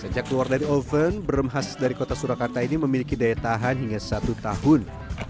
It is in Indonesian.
sejak keluar dari oven brem khas dari kota surakarta ini memiliki daya tahan hingga satu tahun